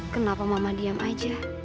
kenapa mama diam aja